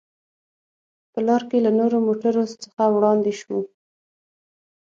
په لار کې له نورو موټرو څخه وړاندې شوو.